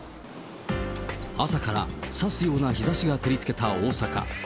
朝から刺すような日ざしが照りつけた大阪。